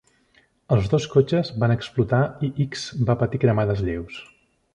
Els dos cotxes van explotar i Ickx va patir cremades lleus.